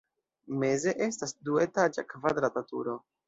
Meze estas duetaĝa kvadrata turo.